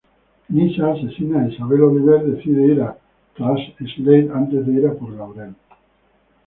Nyssa asesina a Isabel Oliver decide ir tras Slade antes de ir por Laurel.